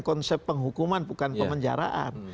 konsep penghukuman bukan pemenjaraan